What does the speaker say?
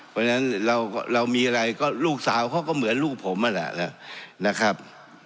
เพราะฉะนั้นเรามีอะไรก็ลูกสาวเขาก็เหมือนลูกผมนั่นแหละแล้วนะครับ